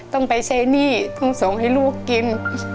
ต้องไปใช้หนี้ต้องส่งให้ลูกกิน